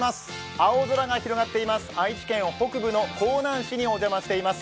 青空が広がっています、愛知県北部の江南市にお邪魔しています。